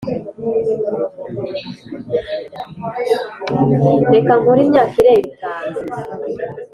Reba nkore imyaka irenga itanu